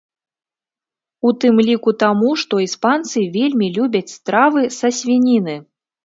У тым ліку таму, што іспанцы вельмі любяць стравы са свініны.